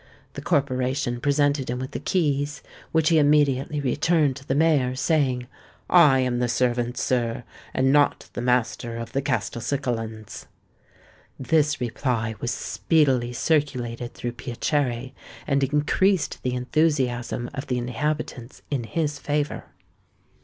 The corporation presented him with the keys, which he immediately returned to the mayor, saying, "I am the servant, sir, and not the master of the Castelcicalans." This reply was speedily circulated through Piacere, and increased the enthusiasm of the inhabitants in his favour.